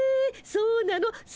そうなの？